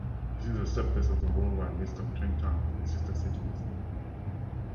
This is a subset of the worldwide "List of twin towns and sister cities".